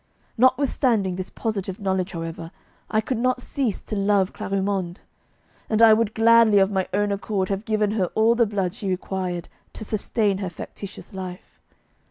Notwithstanding this positive knowledge, however, I could not cease to love Clarimonde, and I would gladly of my own accord have given her all the blood she required to sustain her factitious life.